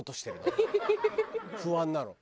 不安なの。